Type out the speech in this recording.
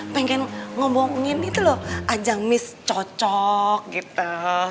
pengen ngomongin itu loh ajang miss cocok gitu